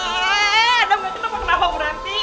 adam gak kenapa kenapa udhati